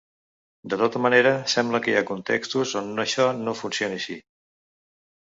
De tota manera, sembla que hi ha contextos on això no funciona així.